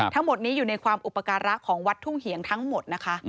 ทั้งหมดนี้อยู่ในความอุปการะของวัดทุ่งเหียงทั้งหมดนะคะ